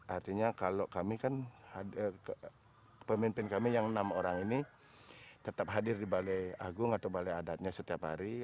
artinya kalau kami kan pemimpin kami yang enam orang ini tetap hadir di balai agung atau balai adatnya setiap hari